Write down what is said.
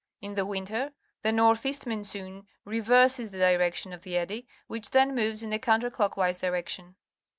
In the "winter, the north east monsoon reverses the direction of the eddy, which then moves in a counter clockwise direction.